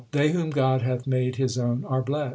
They whom God hath made His own are blest.